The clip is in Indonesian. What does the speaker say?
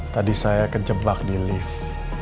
tadi saya kejebak di lift